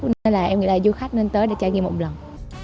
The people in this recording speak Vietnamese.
nên là em nghĩ là du khách nên tới để trải nghiệm một lần